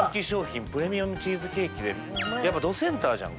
やっぱどセンターじゃん